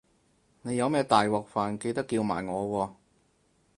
你有咩大鑊飯記得叫埋我喎